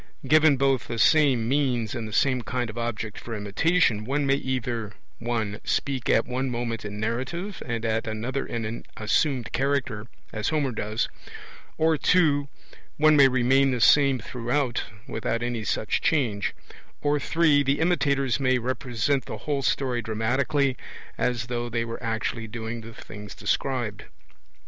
Given both the same means and the same kind of object for imitation, one may either (1) speak at one moment in narrative and at another in an assumed character, as Homer does; or (2) one may remain the same throughout, without any such change; or (3) the imitators may represent the whole story dramatically, as though they were actually doing the things described.